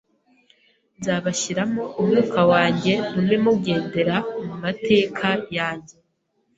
nzabashyiramo umwuka wanjye, ntume mugendera mu mateka yanjye